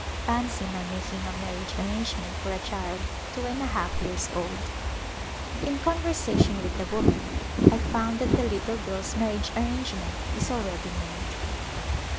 Fancy my making a marriage arrange ment for a child two and a half years old ! In conversation with the woman I found that the little girl's marriage arrangement is already made.